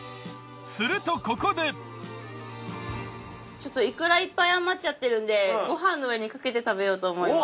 ちょっとイクラいっぱい余っちゃってるんでご飯の上にかけて食べようと思います。